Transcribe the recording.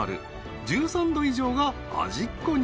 ［１３度以上が味っ子に］